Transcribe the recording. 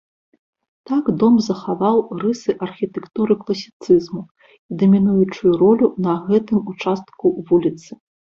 Так дом захаваў рысы архітэктуры класіцызму і дамінуючую ролю на гэтым участку вуліцы.